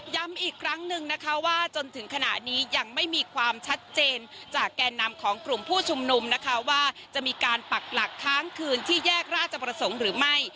ย้ำอีกครั้งหนึ่งนะคะว่าจนถึงขณะนี้ยังไม่มีความชัดเจนจากแก่นำของกลุ่มผู้ชุมนุมนะคะว่าจะมีการปักหลักค้างคืนที่แยกราชประสงค์หรือไม่